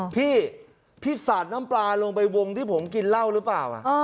พี่พี่สาดน้ำปลาลงไปวงที่ผมกินเหล้าหรือเปล่า